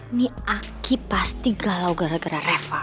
ini aki pasti galau gara gara reva